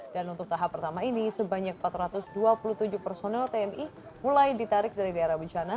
dan untuk tahap pertama ini sebanyak empat ratus dua puluh tujuh personel tni mulai ditarik dari daerah bencana